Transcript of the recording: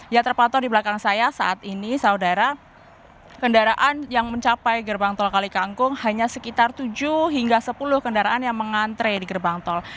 ya terpantau di belakang saya saat ini saudara kendaraan yang mencapai gerbang tol kalikangkung hanya sekitar tujuh hingga sepuluh kendaraan yang mengantre di gerbang tol